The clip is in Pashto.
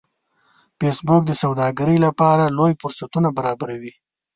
فېسبوک د سوداګرۍ لپاره لوی فرصتونه برابروي